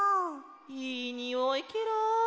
いいにおいケロ！